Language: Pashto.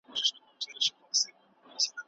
د لويي جرګې په اړه د نړیوالو غبرګون څه دی؟